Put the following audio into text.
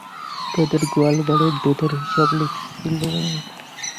তোদের গয়লাবাড়ির দুধের হিসেব লিখছিলুম।